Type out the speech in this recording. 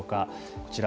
こちら。